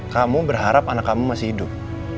kamu berharap anak kamu masih hidup